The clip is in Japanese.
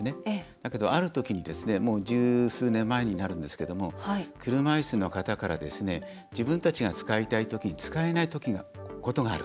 だけど、ある時にもう十数年前になるんですけれども車いすの方から自分たちが使いたい時に使えないことがある。